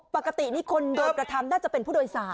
ปกตินี่คนโดนกระทำน่าจะเป็นผู้โดยสาร